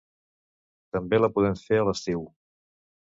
també la podem fer a l'estiu